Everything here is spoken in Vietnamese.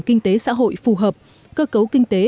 kinh tế xã hội phù hợp cơ cấu kinh tế